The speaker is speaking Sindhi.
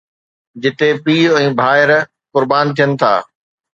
جتي پيءُ ۽ ڀائر قربان ٿين ٿا.